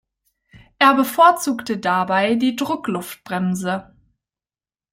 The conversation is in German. Er bevorzugte dabei die Druckluftbremse.